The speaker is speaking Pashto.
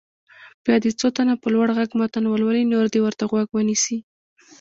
بیا دې څو تنه په لوړ غږ متن ولولي نور دې ورته غوږ ونیسي.